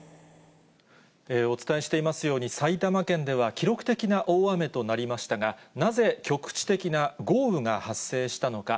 お伝えしていますように、埼玉県では記録的な大雨となりましたが、なぜ局地的な豪雨が発生したのか。